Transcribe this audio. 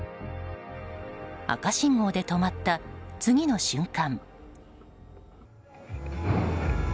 赤信号で止まった次の瞬間。